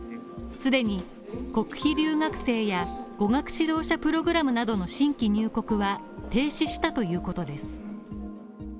常に国費留学生や語学指導者プログラムなどの新規入国は停止したということです。